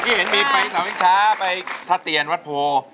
เมื่อกี้มีไปทะเตียนวัดโพ